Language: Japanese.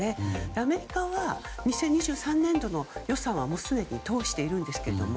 アメリカは２０２３年度の予算はすでに通しているんですけども